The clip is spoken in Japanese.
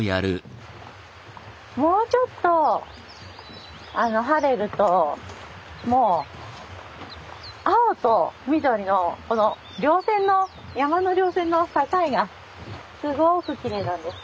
もうちょっと晴れるともう青と緑のこのりょう線の山のりょう線の境がすごくきれいなんです。